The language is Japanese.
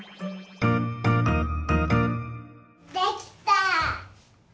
できた！